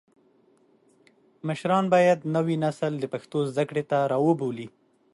مشران باید نوی نسل د پښتو زده کړې ته راوبولي.